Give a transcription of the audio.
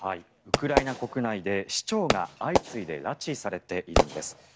ウクライナ国内で市長が相次いで拉致されているんです。